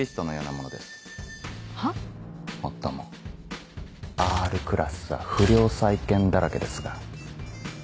もっともＲクラスは不良債権だらけですが。